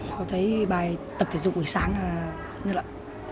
họ thấy bài tập thể dục buổi sáng như thế này